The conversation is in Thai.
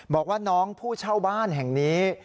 บอกว่าน้องผู้เช่าบ้านแห่งนี้